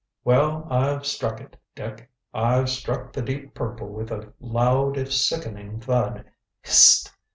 "Well, I've struck it, Dick. I've struck the deep purple with a loud if sickening thud. Hist!